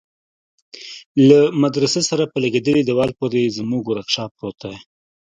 له مدرسه سره په لگېدلي دېوال پورې زموږ ورکشاپ پروت دى.